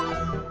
ke rumah emak